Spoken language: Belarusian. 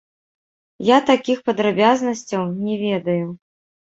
Я такіх падрабязнасцяў не ведаю.